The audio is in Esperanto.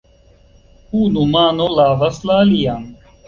Unu mano lavas la alian.